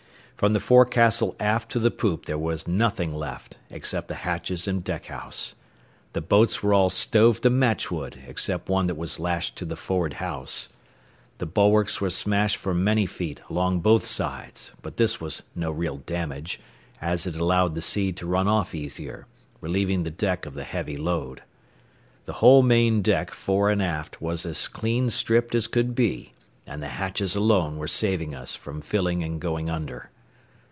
From the forecastle aft to the poop there was nothing left except the hatches and deck house. The boats were all stove to matchwood except one that was lashed on the forward house. The bulwarks were smashed for many feet along both sides, but this was no real damage, as it allowed the sea to run off easier, relieving the deck of the heavy load. The whole main deck, fore and aft, was as clean stripped as could be, and the hatches alone were saving us from filling and going under.